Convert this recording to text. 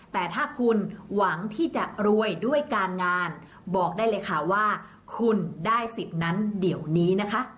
แต่ถ้าคุณหวังที่จะรวยด้วยการงานบอกได้เลยค่ะว่าคุณได้สิทธิ์นั้นเดี๋ยวนี้นะคะ